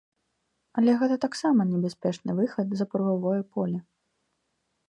Але гэта таксама небяспечны выхад за прававое поле.